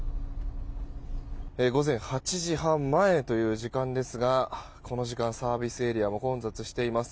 午前８時半前という時間ですがこの時間、サービスエリアは混雑しています。